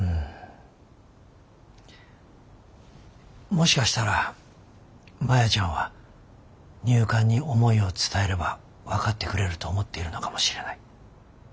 もしかしたらマヤちゃんは入管に思いを伝えれば分かってくれると思っているのかもしれない。